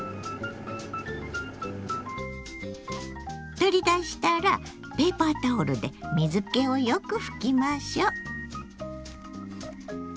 取り出したらペーパータオルで水けをよく拭きましょう。